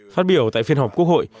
phát biểu tại phiên họp quốc hội